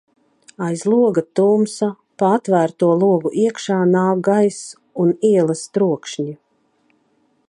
Aiz loga tumsa, pa atvērto logu iekšā nāk gaiss un ielas trokšņi.